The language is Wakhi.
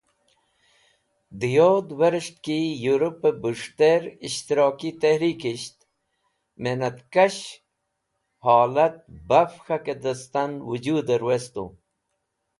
De Yod Weres̃ht ki Europe Bus̃hter Ishtiraki Tehreekisht Menat Kashve Holat Baf K̃hake distan Wujuder Westu.